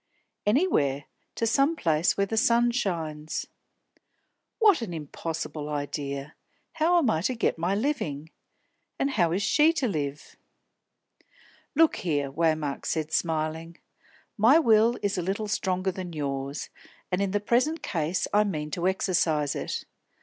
"Anywhere. To some place where the sun shines." "What an impossible idea! How am I to get my living? And how is she to live?" "Look here," Waymark said, smiling, "my will is a little stronger than yours, and in the present case I mean to exercise it.